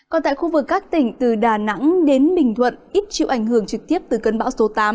còn tại khu vực các tỉnh từ đà nẵng đến bình thuận ít chịu ảnh hưởng trực tiếp từ cơn bão số tám